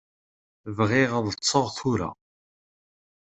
Bɣiɣ ad ṭṭseɣ tura.